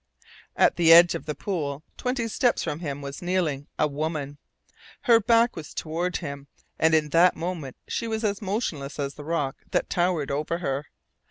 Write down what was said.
At the edge of the pool twenty steps from him was kneeling a woman. Her back was toward him, and in that moment she was as motionless as the rock that towered over her.